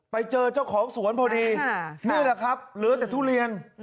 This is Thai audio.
ไปเจอเจ้าของสวนพอดีนี่แหละครับเหลือแต่ทุเรียน